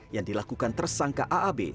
yang dilakukan tersangka aab